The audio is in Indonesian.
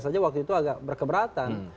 saja waktu itu agak berkeberatan